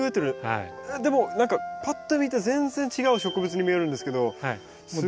でも何かパッと見て全然違う植物に見えるんですけどすごいですね。